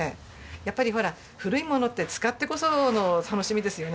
やっぱりほら古いものって使ってこその楽しみですよね。